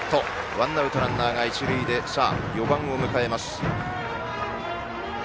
ワンアウトランナーが一塁で４番を迎えます。